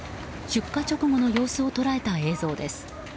出火直後の様子を捉えた映像です。